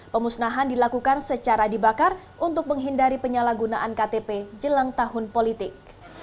pemusnahan dilakukan secara dibakar untuk menghindari penyalahgunaan ktp jelang tahun politik